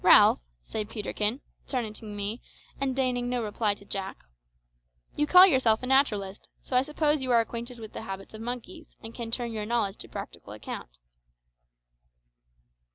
"Ralph," said Peterkin, turning to me, and deigning no reply to Jack, "you call yourself a naturalist; so I suppose you are acquainted with the habits of monkeys, and can turn your knowledge to practical account."